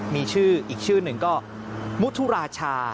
มีชื่ออีกชื่อหนึ่งก็มุทุราชา